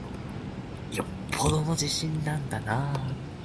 よっぽどの自信なんだなぁ。